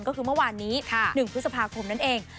ก็คือเมื่อวานนี้๑พฤษภาคมนั่นเอง